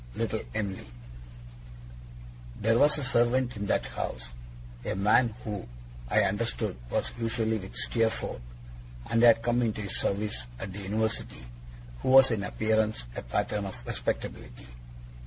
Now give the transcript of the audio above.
LITTLE EM'LY There was a servant in that house, a man who, I understood, was usually with Steerforth, and had come into his service at the University, who was in appearance a pattern of respectability.